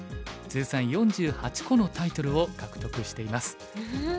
通算４８個のタイトルを獲得しています。